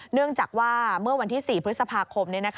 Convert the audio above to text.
เนื่องจากว่าเมื่อวันที่๔พฤษภาคม